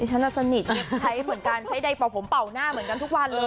ใช้ใดเป่าผมเป่าหน้าเหมือนกันทุกวันเลย